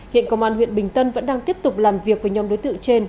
hiện công an huyện bình tân vẫn đang tiếp tục làm việc với nhóm đối tượng trên